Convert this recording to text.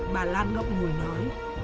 bà lan ngọc ngủi nói